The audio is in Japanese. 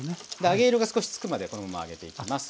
揚げ色が少しつくまでこのまま揚げていきます。